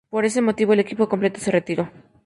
Por ese motivo el equipo completo se retiró.